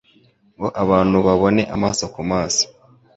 ngo abantu bababone amaso ku maso